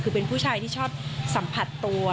คือเป็นผู้ชายที่ชอบสัมผัสตัว